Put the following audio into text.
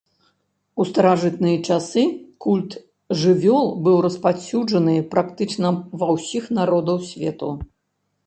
У старажытныя часы культ жывёл быў распаўсюджаны практычна ва ўсіх народаў свету.